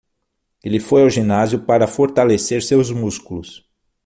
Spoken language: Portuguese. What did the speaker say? Ele foi ao ginásio para fortalecer seus músculos.